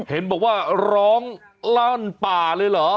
เห็นบอกว่าร้องลั่นป่าเลยเหรอ